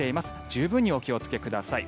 十分にお気をつけください。